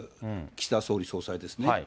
岸田総理総裁ですね。